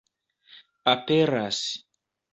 aperas